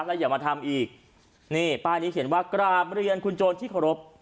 แล้วอย่ามาทำอีกนี่ป้ายนี้เขียนว่ากราบเรียนคุณโจรที่เคารพ